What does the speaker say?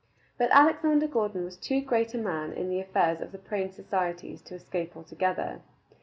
But Alexander Gordon was too great a man in the affairs of the Praying Societies to escape altogether.